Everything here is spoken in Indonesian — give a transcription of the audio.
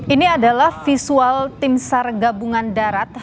ini adalah visual tim sargabungan darat